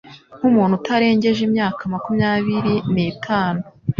nk'umuntu utarengeje imyaka makumyabiri nitanu